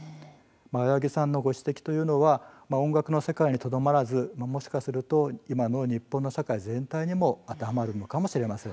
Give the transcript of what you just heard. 青柳さんのご指摘というのは音楽の世界だけにとどまらずもしかすると今の日本の社会全体に当てはまるのかもしれません。